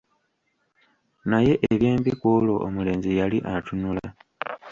Naye eby'embi ku olwo omulenzi yali atunula.